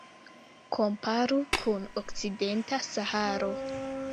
Komparu kun Okcidenta Saharo.